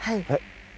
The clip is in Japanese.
はい。